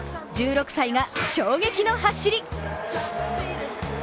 １６歳が衝撃の走り。